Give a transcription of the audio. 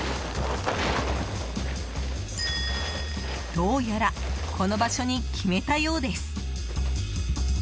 どうやらこの場所に決めたようです。